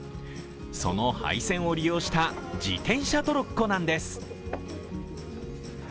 その廃線を利用した自転車トロッコなんです。